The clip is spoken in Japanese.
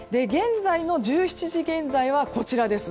１７時現在はこちらです。